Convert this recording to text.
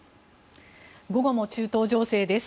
午後も中東情勢です。